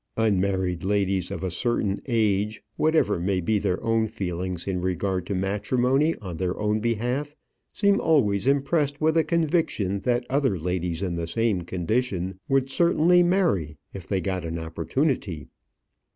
Unmarried ladies of a certain age, whatever may be their own feelings in regard to matrimony on their own behalf, seem always impressed with a conviction that other ladies in the same condition would certainly marry if they got an opportunity.